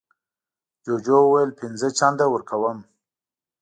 جوجو وویل پینځه چنده ورکوم.